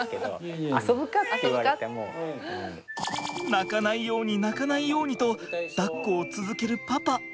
泣かないように泣かないようにとだっこを続けるパパ。